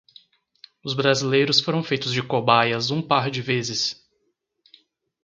Os brasileiros foram feitos de cobaias um par de vezes